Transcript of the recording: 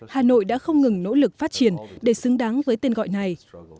hà nội đã không ngừng nỗ lực phát triển để xứng đáng với tên gọi này